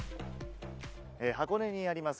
箱根にあります